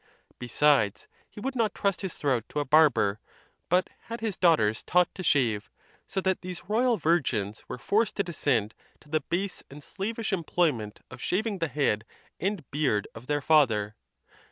Besides, he would not trust his throat to a barber, but had his daugh ters taught to shave; so that these royal virgins were forced to descend to the base and slavish employment of shaving the head and beard of their father.